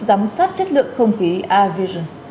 giám sát chất lượng không khí aqi